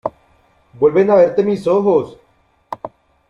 ¡ vuelven a verte mis ojos!...